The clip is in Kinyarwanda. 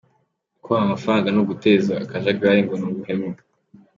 Kubaha amafaranga ni uguteza akajagari, ngo ni n’ubuhemu.